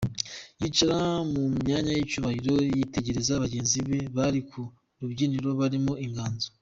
yicara mu myanya y’icyubahiro yitegereza bagenzi be bari ku rubyiniro barimo ‘Inganzo.